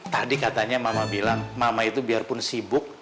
tadi katanya mama bilang mama itu biarpun sibuk